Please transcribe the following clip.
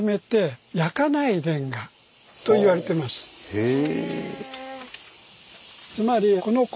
へえ。